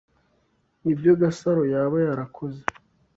Nibyo Gasaro yaba yarakoze.